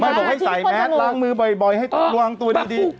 บอกให้ใส่แมสล้างมือบ่อยให้วางตัวดี